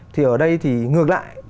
thì ở đây thì ngược lại